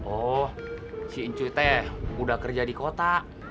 oh si incu teh udah kerja di kota